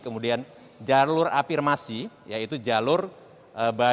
kemudian jalur afirmasi yaitu jalur bagian